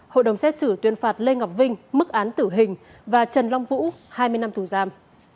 hội đồng xét xử tuyên phạt lê ngọc vinh mức án tử hình và trần long vũ hai mươi năm tù giam